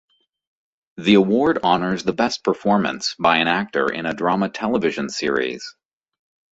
The award honors the best performance by an actor in a drama television series.